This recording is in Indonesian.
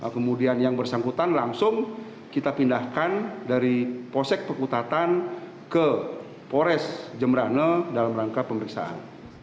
kemudian yang bersangkutan langsung kita pindahkan dari posek pekutatan ke pores jemrane dalam rangka pemeriksaan